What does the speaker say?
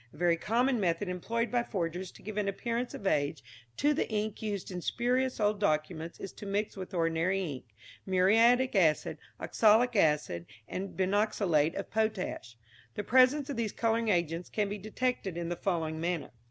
A very common method employed by forgers to give an appearance of age to the ink used in spurious old documents is to mix with ordinary ink, muriatic acid, oxalic acid, or binoxalate of potash. The presence of these colouring agents can be detected in the following manner.